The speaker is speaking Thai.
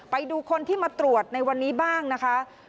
ไปดูคนที่มาตรวจในวันนี้บ้างนะคะ